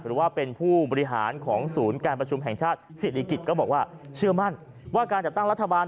หรือว่าเป็นผู้บริหารของศูนย์การประชุมแห่งชาติศิริกิจก็บอกว่าเชื่อมั่นว่าการจัดตั้งรัฐบาล